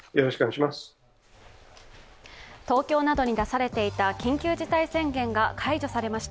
東京などに出されていた緊急事態宣言が解除されました。